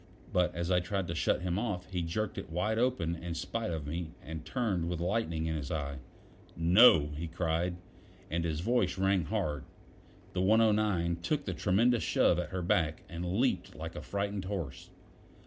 But as I tried to shut him off, he jerked it wide open in spite of me, and turned with lightning in his eye. "No!" he cried, and his voice rang hard. The 109 took the tremendous shove at her back, and leaped like a frightened horse.